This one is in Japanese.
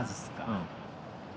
うん。